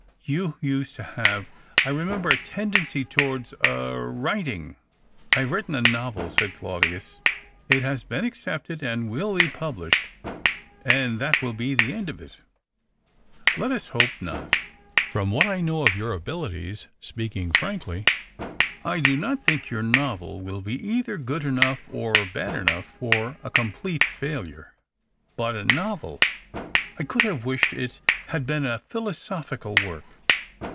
You used to have, I remember, a tendency tow^ards — er — writing." " I have written a novel," said Claudius. " It has been accepted, and will be published — and that will be the end of it." " Let us hope not. From what I know of your abilities, speaking frankly, I do not think your novel will l)e either good enough or 1)ad enougli for a complete failure. But a novel — 280 THE OCTAVE OF CLAUDIUS. I could have wished it had been a philosophical work."